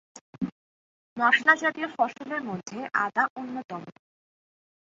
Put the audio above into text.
মশলা জাতীয় ফসলের মধ্যে আদা অন্যতম।